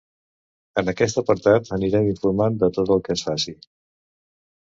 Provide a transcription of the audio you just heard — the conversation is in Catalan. En aquest apartat anirem informant de tot el que es faci.